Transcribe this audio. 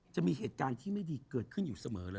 จะมีเหตุการณ์ที่ไม่ดีเกิดขึ้นอยู่เสมอเลย